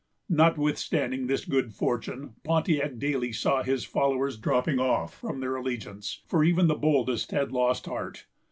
Notwithstanding this good fortune, Pontiac daily saw his followers dropping off from their allegiance; for even the boldest had lost heart.